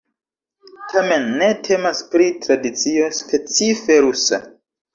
Tamen ne temas pri tradicio specife rusa.